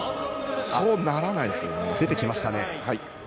そうはならないですもんね。